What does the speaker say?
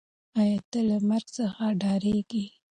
آیا ته له مرګ څخه ډارېږې؟